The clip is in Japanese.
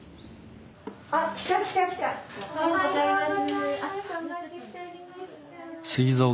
おはようございます。